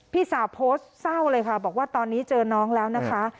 พี่สาวโพสต์เศร้าเลยค่ะบอกว่าตอนนี้เจอน้องแล้วนะคะ